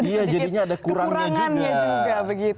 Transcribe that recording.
iya jadinya ada kekurangannya juga